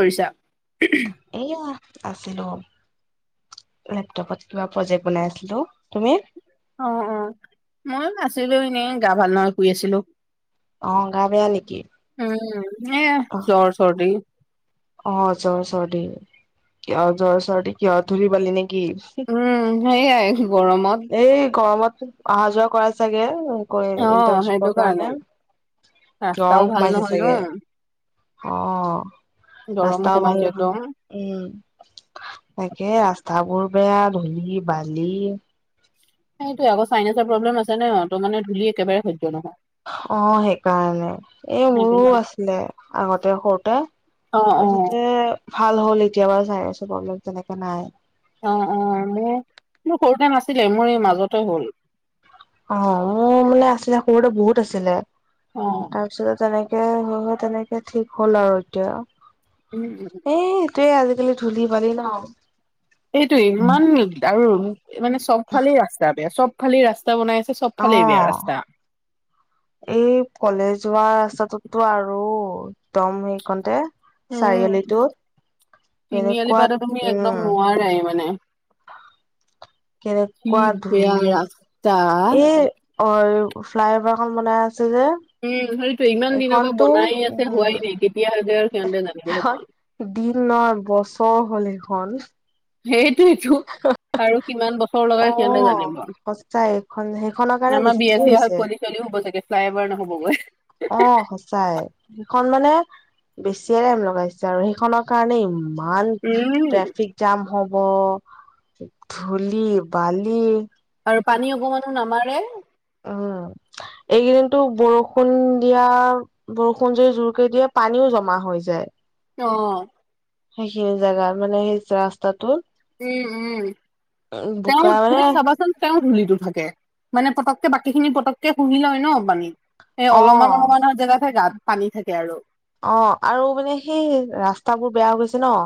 কৰিছা? [inaudible] এয়া, আছিলো আউ। লেপটপত কিবা প্ৰজেক্ট বনাই আছিলোঁ, তুমি? অ', অ', মই আছিলোঁ এনেই। গা ভাল নহয়, শুই আছিলোঁ। অ', গা বেয়া নেকি? উম, এইয়া অ জ্বৰ চৰ্দি। অ', জ্বৰ চৰ্দি। অ' জ্বৰ চৰ্দি কিয়? ধূলি পালি নেকি? উম, সেয়াই গৰমত। এই গৰমত অহা যোৱা কৰা চাগে! অ সেইটো কৰি-ইণ্টাৰণশ্বিপৰ কাৰণে। ৰাস্তাও গৰম ভাল সোমাইছে নহয় ন চাগে। অ', গৰমো ৰাস্তাও সোমাইছে ভাল নহয়। একদম উম, তাকে ৰাস্তাবোৰ বেয়া, ধূলি বালি। সেইটোয়ে আকৌ, চাইনাচৰ প্ৰ'ব্লেম আছে ন', ত' মানে ধূলি একেবাৰে সহ্য নহয়। অ', সেইকাৰণে। এই সেইটো মোৰো কাৰণে আছিলে, আগতে সৰুতে। অ অ তাৰপিছতে ভাল হ'ল এতিয়া বাৰু। চাইনাচৰ প্ৰব্লেম তেনেকে নাই। অ' অ', মোৰ-মোৰ সৰুতে নাছিলে। মোৰ এই মাজতে হ'ল। অ', মোৰ মানে আছিলে, সৰুতে বহুত আছিলে। অ তাৰপিছত তেনেকে [unintelligible] তেনেকে ঠিক হ'ল আৰু এতিয়া। উম উম উম। এই এইটোয়ে আজিকালি ধূলি বালি ন'? এইটোয়েই, ইমান আৰু মানে চবফালেই ৰাস্তা বেয়া। চব খালি ৰাস্তা বনাই আছে, চব অ ফালেই বেয়া ৰাস্তা। এই কলেজ হোৱা ৰাস্তাটোতটো আৰু, একদম সেইকণতে। উম চাৰিআলিটো, কেনেকুৱা, উম। ইমানে ইমানে। কেনেকুৱা বেয়া ধূলি! ৰাস্তা। এই অৰ ফ্লাইঅভাৰখন বনাই আছে যে, উম, সেইটোৱে, ইমান দিনৰ পৰা এইখনতো বনাই আছে, উম হোৱাই নাই। কেতিয়া হয় আৰু সিহঁতে জানিব এখন সেইখন। দিন নহয়, বছৰ হ'ল এইখন। সেইটোৱেইটো। আৰু কিমান বছৰ অ লগাই সিহঁতে জানিব আৰু। সঁচাই এইখন সেইখনৰ কাৰণে আমাৰ বেছি বিয়া চিয়া হৈ হৈছে পোৱালি ছোৱালী ও হ'ব চাগে, ফ্লাইঅভাৰ নহ'বগৈ। অ', সঁচাই। সেইখন মানে বেছিয়ে টাইম লগাইছে আৰু সেইখনৰ কাৰণেই ইমান উম ট্ৰেফিক জাম হব ধূলি-বালি। আৰু পানী অকমানো নামাৰে। উম উম উ উ উহা এই কেইদিনত বৰষুণ দিয়াৰ বৰষুণ যদি জোৰ কৰি দিয়ে পানীও জমা হৈ যায়। এ অ অ অ অ। সেই হিউ জাগা মানে সেই ৰাস্তাটোত। উম উম উ উ তেওঁ বোকা মানে তুমি চাবাচোন। তেওঁ ধূলিতো থাকে মানে পতককে বাকী খিনি পতককে শুহি লয় ন বালি। এ অ অলপমান অলপমান জেগাত হে গাত পানী থাকে আৰু অ আৰু মানে সেই ৰাস্তাবোৰ বেয়া হৈ গৈছে ন।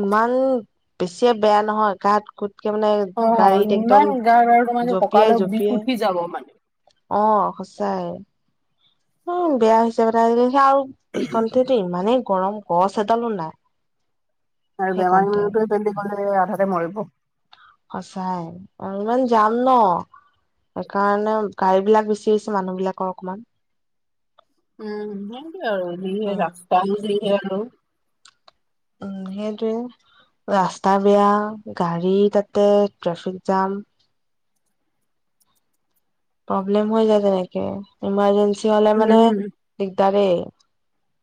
ইমান বেছিয়ে বেয়া নহয় গাত-গোতকে মানে অ গাড়ীত একদম ইমান গাৰ আৰু তোমালোকে জঁপিয়াই কঁকালৰ বিষ জঁপিয়াই। উঠি যাব মানে অ অ অ সঁচাই। উম উ বেয়া হৈছে আৰু বেটাৰী গাড়ী সেইখনতেতো ইমানেই গৰম গছ এডালো নাই। আৰু বেমাৰী সেইকণতে মানু্হটোৱে [unintelligible] আধাতে মৰিব। সচাই ইমান যাম ন। সেইকাৰণে গাড়ী বিলাক বেচি হৈছে মানুহ বিলাকৰ অকমান। উম উ উ উ সেইটোৱেই আৰু যি হে ৰাস্তা আৰু যি হে আৰু উম উ উ সেইটোৱে ৰাস্তা বেয়া গাড়ী তাতে ট্ৰেফিক জাম। প্ৰব্লেম হৈ যায় তেনেকে ইমাৰজেঞ্চি হলে মানে উম দিগদাৰেই।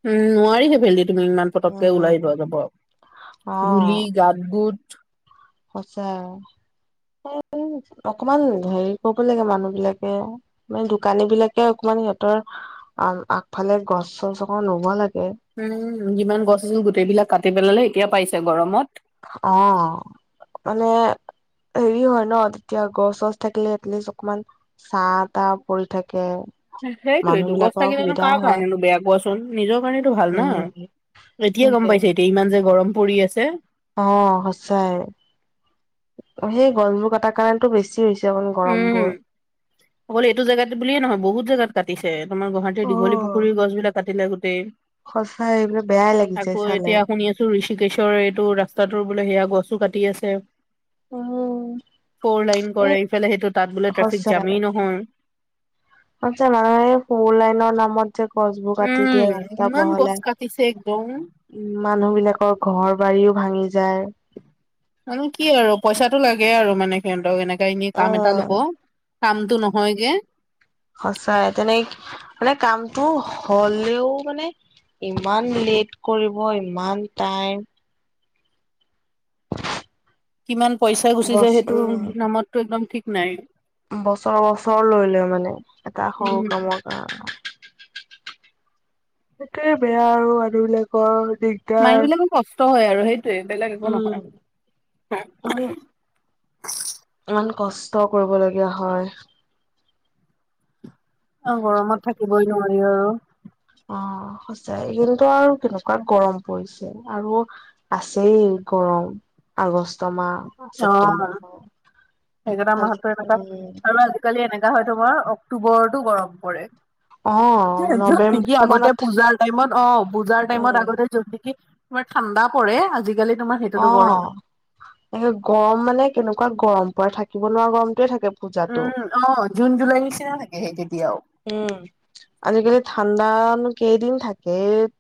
উম উ নোৱাৰিহে সেইফালেদি তুমি ইমান পতককে উম ওলাই যোৱা যাব অ ধূলি গাত গোট সঁচা এ উঁ অকমান হেৰি কৰিব লাগে মানুহ বিলাকে। মানে দোকানী বিলাকে অকমান সিহঁতৰ আ আ আ আগফালে গছ-চছ অকন ৰুব লাগে। উম উ উ, যিমান গছ আছিল গোটেই বিলাক কাটি পেলালে এতিয়া পাইছে গৰমত। হ অ অ অ অ মানে হেৰি হয় ন তেতিয়া গছ-চছ থাকিলে এটলিষ্ট অকমান। চাহ-তাহ পৰি থাকে। এহ্ মানুহ সেইটোৱেইটো গছ বিলাকৰ থাকিলোনো সুবিধা কাৰ হয় কাৰণেনো বেয়া কোৱাচোন নিজৰ কাৰণেটো ভাল না। উম এতিয়া গম সেইটোৱে পাইছে এতিয়া ইমান যে গৰম পৰি আছে। অ সঁচাই সেই গছবোৰ কটাৰ কাৰণটো বেছি বেছি হৈছে অকন উম গৰমবোৰ। অকল এইটো জেগাত বুলিয়ে নহয় বহুত জেগাত কাটিছে আমাৰ গুৱাহাটীৰ অ দীঘলী পুখুৰীৰ গছ বিলাক কাটিলে গোটেই। সঁচাই এইবিলাক বেয়াই লাগি যায় চালে। এইটো ঋষিকেশৰ এইটো ৰাস্তাটোৰ বোলে সেয়া গছো কাটি আছে। উম ফৰ লাইন এ কৰে ইফালে সেইটো তাত বোলে ট্ৰেফিক জামেই নহয়। খুব যে মানুহে এই ফোৰ লাইনৰ নামত ঠে গছবোৰ কাটি দিয়ে উম ৰাস্তা ইমান গছ বহলাই কাটিছে একদম উম মানুহ বিলাকৰ ঘৰ-বাৰীও ভাঙি যায়। ঢু মানে কি আৰু পইচাটো লাগে আৰু মানে সিহঁতক এনেকা এনে কাম এটা ল'ব। উম কামটো নহয় গে। সঁচাই তেনেক মানে কামটো হ হ হলেও মানে ইমান লেট কৰিব ইমান টাইম। কিমান পইচা গুচি বছ যায় সেইটো উম নামতটো একদম ঠিক নাই। বছৰ বছৰ লৈ লৈ মানে এটা সৰু উম কামত। আহ অ ঠ ঠ ঠ ঠ সেইটোৱে বেয়া আৰু মানুহ বিলাকৰ দিগ। মানুহ বিলাকৰ কষ্ট হয় আৰু সেইটোৱে বেলেগ একো নহয়। উম ইমান ইমান কষ্ট কৰিবলগীয়া হয়। অ গৰমত থাকিবই নোৱাৰি আৰু। অ সচাঁই কিন্তু আৰু কেনেকুৱা গৰম পৰিছে আৰু। আছেই গৰম আগষ্ট মাহ অ ছেপ্টেম্বৰ মাহ। সেইকেইটা মাহতো এনেকুৱা উম আৰু আজিকালি এনেকা হয় তোমাৰ অক্টোবৰতো গৰম পৰে। অ [unintelligible] য'ত নেকি নৱেম্বৰ আগতে মানত পূজাৰ টাইমত অ পূজাৰ টাইমত উম আগতে য'ত নেকি। তোমাৰ ঠাণ্ডা পৰে আজিকালি। তোমাৰ অ সেইটোতো গৰম। এ গৰম মানে কেনেকুৱা গৰম পৰে থাকিব নোৱাৰা গৰমটোৱে থাকে পূজাতো উম অ জুন জুলাইৰ নিচিনা থাকে সেই তেতিয়াও। উম আজিকালি ঠাণ্ডানো কেইদিন থাকে।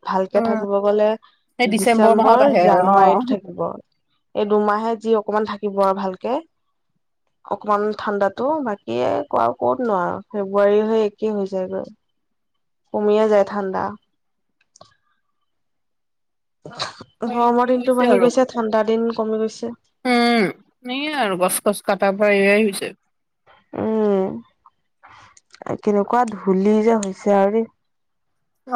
ভালকে উম থাকিব গ'লে সেই ডিচেম্বৰ মাহত আহে আৰু অ জানুৱাৰী এই দুমাহে যি অকমান থাকিব আৰু ভালকে। অকমান ঠাণ্ডাতো বাকি এই [unintelligible] আৰু ক'তনো আৰু ফেব্ৰুৱাৰী সেই একেই হৈ যায়গে। কমিয়ে যায় ঠাণ্ডা। গৰমৰ সেইটো দিনটো হৈছে বাঢ়ি আৰু গৈছে ঠাণ্ডা দিন কমি গৈছে। উম এইয়ে আৰু গছ চছ কটাৰ পৰা এয়াই হৈছে। উম আৰু কেনেকুৱা ধূলি যে হৈছে আৰু দেই।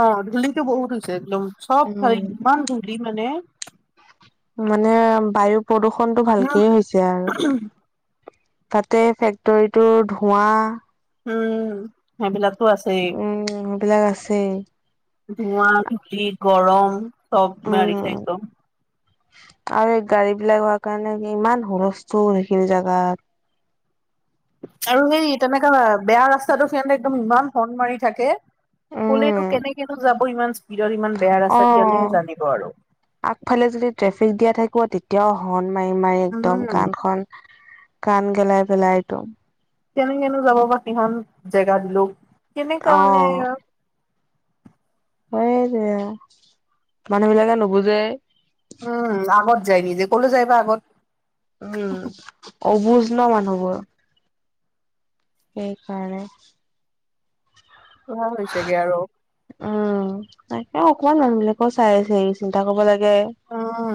অ ধূলিটো বহুত হৈছে একদম চব ফালে উম। ইমান ধূলি মানে। মানে বায়ু প্ৰদূষণটো ভালকে হৈ আৰু তাতে ফেক্টৰীটো ধোঁৱা। উম সেইবিলাকো আছে। উম সেইবিলাক আছেই। ধোঁৱা ধূলি গৰম চব বাঢ়িছে উম, একদম। আৰু এই গাড়ী বিলাক হোৱা কাৰণে ইমান হুলস্থুল এইখিনি জেগাত। আৰু সেই তেনেকা বেয়া ৰাস্তাটো সিহঁতে একদম ইমান হৰ্ণ মাৰি থাকে। উম, ক'লেনো কেনেকেনো যাব ইমান স্পীডত ইমান বেয়া ৰাস্তাত সিহঁতেহে অ'। জানিব আৰু। আগফালে যদি ট্ৰেফিক দিয়া থাকিব তেতিয়াও হৰ্ণ মাৰি, মাৰি একদম উম। কাণখন। কান গেলাই পেলাই এইটো। কেনেকেনো যাব বা সিহঁত জেগা দিলেও [unintelligible] অ মানে। হয় দে মানুহ বিলাকে নুবুজে। উম আগত যায় নিজে ক'লৈ যায় বা আগত। উম অবুজ নহ মানুহবোৰ। সেইকাৰণে। [unintelligible] হৈছেগে আৰু। উম তাকে অকমান মানুহ বিলাকে চাই। [unintelligible] চিন্তা কৰিব লাগে। উম।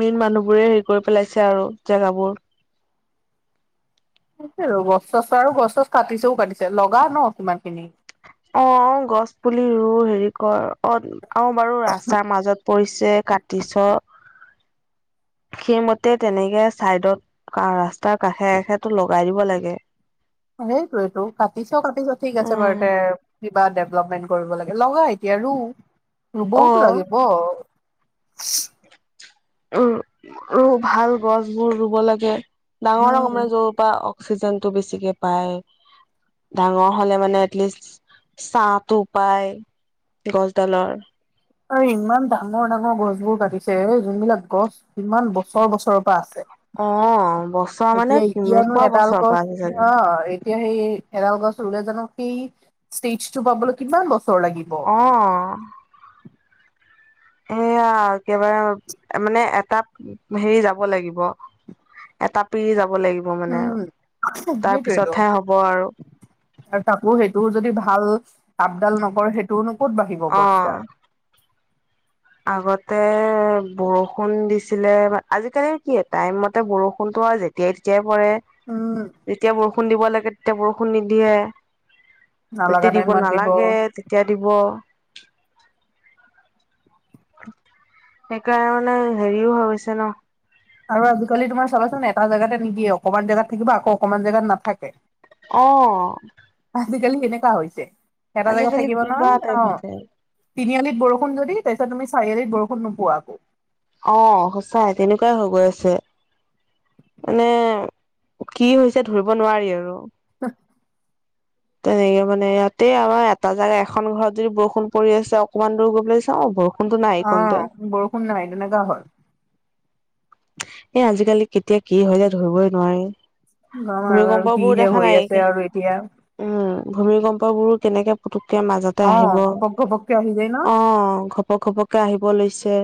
মেইন মানুহ বোৰে হেৰি কৰি পেলাইছে আৰু জেগাবোৰ। গছ চছটো আৰু গছ চছ কাটিছেও কাটিছে লগা নহ সিমান খিনি। অ গছ পুলি ৰু হেৰি কৰ। অ আৰু বাৰু ৰাস্তাৰ মাজত পৰিছে কাটিছো। সেইমতে তেনেকে চাইডত ৰাস্তাৰ কাষে কাষেতো লগাই দিব লাগে। অ সেইটোৱেটো কাটিছো কাটিছো ঠিক আছে বাৰু তে কিবা ডেভলপমেন্ট কৰিব লাগে লগা এতিয়া ৰু ৰুৱওতো অ', লাগিব। [inaudible] উমঁ' উমঁ' ভাল গছবোৰ ৰুব লাগে। ডাঙৰ ডাঙৰ মানে যৰ পৰা অক্সিজেনটো বেছিকে পায়। ডাঙৰ হ'লে মানে এটলিষ্ট ছাঁটো পায় গছডালৰ। আৰু ইমান ডাঙৰ ডাঙৰ গছ বোৰ কাটিছে যোনবিলাক গছ ইমান বছৰ বছৰৰ পৰা আছে। অ', বছৰ মানে এতিয়া এতিয়ানো কেনেকুৱা এডাল বছৰ গছ পাৰ হৈ চাগে। [unintelligible] এতিয়া সেই এডাল গছ ৰুলে জানো সেই ষ্টেজটো পাবলৈ কিমান বছৰ লাগিব। অঁ। এইয়া একেবাৰে মানে এটা হেৰি যাব লাগিব। এটা পিৰি যাব লাগিব মানে উম আৰু তাৰ সেইটোয়েতো পিছতহে হ'ব আৰু। আৰু তাপো সেইটো যদি ভাল আপডাল নকৰে সেইটোনো ক'ত বাঢ়িব গছ। অ'। আগতে বৰষুণ দিছিলে, আজিকালিৰ কি টাইম মতে বৰষুণতো আজি যেতিয়াই তেতিয়াই পৰে, উম যেতিয়া বৰষুণ দিব লাগে তেতিয়া বৰষুণ নিদিয়ে। নালাগা যেতিয়া দিব টাইমত নালাগে তেতিয়া দিব। সেইকাৰণে সেৰিও হৈ গৈছে ন'। আৰু আজিকালি তোমাৰ চাবাচোন এটা জেগাতে নিদিয়ে, অকনমান জেগাত থাকিব আকৌ অকমান জেগাত নাথাকে। অঁ। আজিকালি সেনেকুৱা হৈছে এটা জেগাত আজিকালি থাকিব কিবা নহয়, টাইপ অঁ'। হৈছে তিনিআলিত বৰষুণ যদি তাৰ পিছত তুমি চাৰিআলিত বৰষুণ নোপোৱা আকৌ। অঁ' সঁচাই তেনেকুৱাই হৈ গৈ আছে। মানে কি হৈছে ধৰিব নোৱাৰি আৰু। [unintelligible] তেনেকে মানে ইয়াতে আমাৰ এটা জেগা এখন ঘৰত যদি বৰষুণ পৰি আছে অকনমান দূৰ গৈ পেলাই চাওঁ বৰষুণ। অঁ' বৰষুণ নাই তেনেকুৱা হ'ল। এ আজিকালি কেতিয়া কি হয় যায় ধৰিবই নোৱাৰি। গম আৰু ভূমিকম্প আৰু কিহে হৈ আছে আৰু এতিয়া। উমঁ' ভূমিকম্প বোৰো কেনেকে পুতুককে মাজতে অ আহিব, ঘপক ঘপককে আহি যায় ন অঁ' ঘপক-ঘপককে আহিব লৈছে।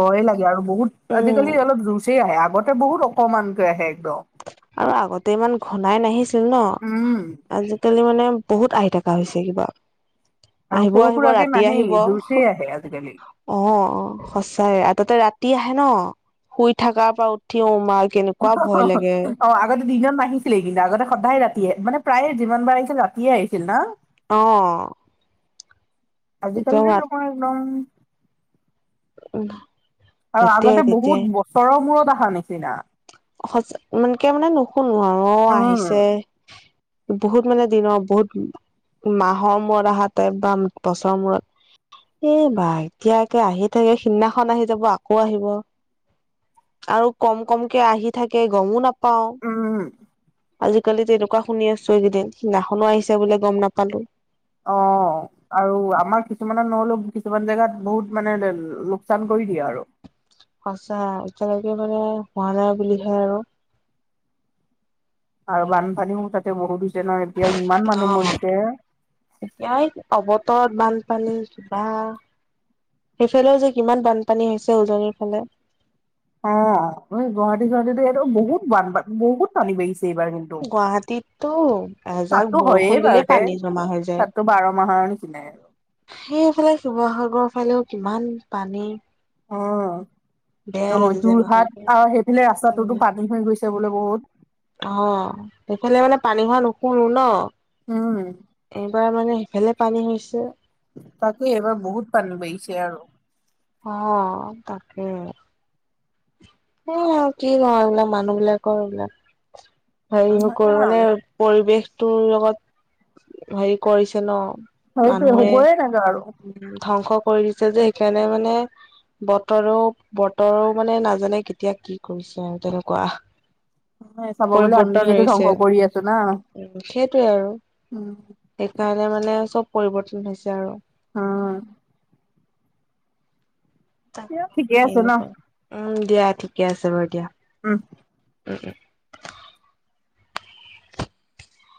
ভয়ে লাগে আৰু বহুত উম আজিকালি অলপ জোৰছেই আহে, আগতে বহুত অকমানকৈ আহে একদম। আৰু আগতে ইমান ঘনাই নাহিছিল ন'। উম আজিকালি মানে বহুত আহি থকা হৈছে কিবা। আৰু আহিব সৰু আহিব সুৰাকে ৰাতি নাহেই আহিব। জোৰচেই আহে আজিকালি অঁ' সঁচাইে আৰু তাতে ৰাতি আহে ন' শুই থকাৰ পৰা উ থিয়মাৰ কেনেকুৱা ভয় লাগে। অ আগতে দিনত নাহিছিলে কিন্তু আগতে সদায় ৰাতিয়ে মানে প্ৰায়ে যিমান বাৰ আহিছিল ৰাতিয়ে আহিছিল ন'। অঁ। আজিকালিতো তোমাৰ একদম [unintelligible] আৰু তেতিয়াই আগতে তেতিয়াই বহুত বছৰৰ মূৰত অহা নিচিনা। সঁচা, ইমানকে মানে নুশুনো আৰু অ' উম। আহিছে। বহুত মানে দিনৰ বহুত মাহৰ মূৰত অহা [unintelligible] বা বছৰৰ মূৰত। এই বা এতিয়াকে আহি থাকে সিদিনাখন আহি যাব আকৌ আহিব। আৰু কম কমকে আহি থাকে গমো নাপাও। উম, আজিকালি তেনেকুৱা শুনি আছো এইকেইদিন, সেইদিনাখনো আহিছে বোলে বুলি গম নাপালো। অঁহ'। আৰু আমাৰ কিছুমানৰ নহ'লেও কিছুমান জেগাত বহুত মানে লোকচান কৰি দিয়ে আৰু। সঁচা, এতিয়ালৈকে মানে হোৱা নাই বুলিহে আৰু। আৰু বানপানীও তা'তে বহুত হৈছে ন' এতিয়া ইমান মানুহ মৰিছে। এতিয়াই অৱতৰত বানপানী কিবা। সেইফালেও যে কিমান বানপানী হৈছে উজনিৰ ফালে। অঁ', গুৱাহাটী, গুৱাহাটীতো এইবাৰ বহুত বান পানী, বহুত পানী বাঢ়িছে এইবাৰ কিন্তু। গুৱাহাটী- তো' এজাক তাততো হয়েই বৰষুণ দিলে বাৰুতে পানী জমা হৈ যায়। তাততো বাৰ মাহৰ নিচিনাই আৰু। সেইফালে শিৱসাগৰৰ ফালেও কিমান পানী। অঁহ', বেয়াই -অঁ', লাগি যায় -যোৰহাট মানুহটো আৰু সেইফালে ৰাস্তাটোতো পানী হৈ গৈছে বোলে বহুত। অঁ', সেইফালে মানে পানী হোৱা নুশুনো ন'। উমঁ। এইবাৰ মানে সিফালে পানী হৈছে। তাকে, এইবাৰ বহুত পানী বাঢ়িছে আৰু। অঁ', -তাকে। সেই আৰু কি নো এইবিলাক মানুহবিলাকৰ এইবিলাকৰ হেৰি কৰিব আৰু। মানে- পৰিৱেশটোৰ লগত হেৰি কৰিছে ন'। সেইটোৱে মানুহে- হ'বয়ে লাগে আৰু ধ্বংস কৰি দিছে যে সেইকাৰণে মানে বতৰো-বতৰো মানে নাজানে- কেতিয়া কি কৰিছে আৰু তেনেকুৱা। চাব গ'লে পৰিৱৰ্তন আমিয়েতো হৈছে, ধ্বংস কৰি আছো না উমঁ' সেইটোৱে আৰু। উম সেইকাৰণে মানে চব পৰিৱৰ্তন হৈছে আৰু। অঁ'। তা কে ঠিকে কি আছে নো ন কয়, উমঁ' দিয়া ঠিকে আছে বাৰু দিয়া। উমঁ। উম-উম।